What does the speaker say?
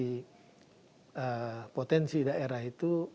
dan bagaimana dengan potensi daerah itu